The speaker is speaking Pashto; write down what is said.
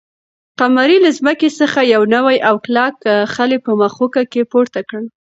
قمرۍ له ځمکې څخه یو نوی او کلک خلی په مښوکه کې پورته کړ.